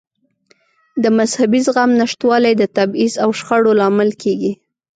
د مذهبي زغم نشتوالی د تبعیض او شخړو لامل کېږي.